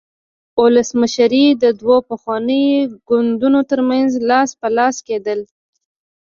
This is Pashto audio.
ولسمشري د دوو پخوانیو ګوندونو ترمنځ لاس په لاس کېدل.